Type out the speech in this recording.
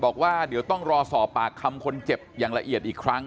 บอกว่าเดี๋ยวต้องรอสอบปากคำคนเจ็บอย่างละเอียดอีกครั้ง